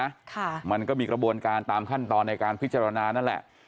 ค่ะมันก็มีกระบวนการตามขั้นตอนในการพิจารณานั่นแหละ